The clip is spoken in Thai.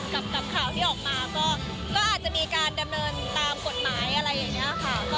กับข่าวที่ออกมาก็อาจจะมีการดำเนินตามกฎหมายอะไรอย่างนี้ค่ะ